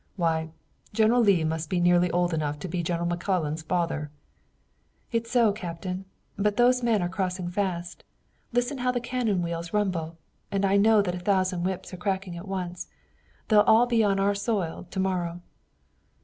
Why, General Lee must be nearly old enough to be General McClellan's father." "It's so, Captain, but those men are crossing fast. Listen how the cannon wheels rumble! And I know that a thousand whips are cracking at once. They'll all be on our soil to morrow."